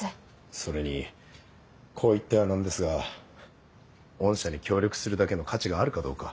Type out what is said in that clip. それにこう言っては何ですが御社に協力するだけの価値があるかどうか。